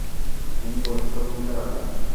তিনি বলিষ্ঠ ভূমিকা রাখেন।